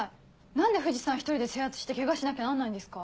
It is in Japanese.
何で藤さん一人で制圧してケガしなきゃなんないんですか？